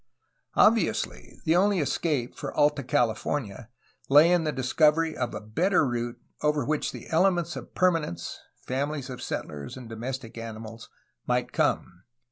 Obviously the only escape for Alta Cahfornia lay in the dis covery of a better route, over which the elements of perman ence (famines of settlers and domestic animals) might come.